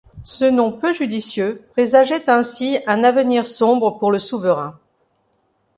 Ce nom peu judicieux présageait ainsi un avenir sombre pour le souverain.